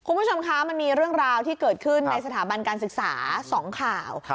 คุณผู้ชมคะมันมีเรื่องราวที่เกิดขึ้นในสถาบันการศึกษา๒ข่าว